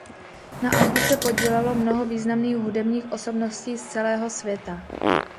Na albu se podílelo mnoho významných hudebních osobností z celého světa.